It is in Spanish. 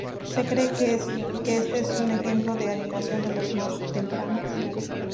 Se cree que este es un ejemplo de animación de los más tempranos.